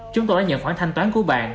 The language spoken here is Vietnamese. chúng tôi đã nhận khoản thanh toán của bạn